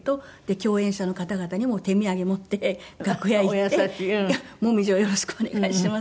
共演者の方々にも手土産を持って楽屋へ行って「紅葉をよろしくお願いします」